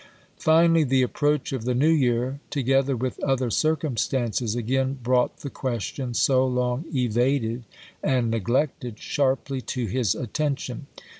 Finally, the approach of pp^sii, 512. the New Year, together with other circumstances, again brought the question, so long evaded and neglected, sharply to his attention.